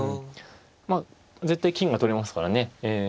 まあ絶対金が取れますからね。